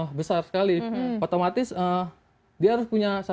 nah setahun terakhir saya lihat macam dia cuma dikandang aja gitu dikandang mungkin ya stress sih